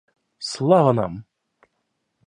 Слава нам!